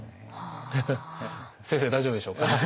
先生大丈夫でしょうか？